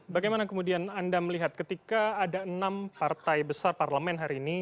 bagaimana kemudian anda melihat ketika ada enam partai besar parlemen hari ini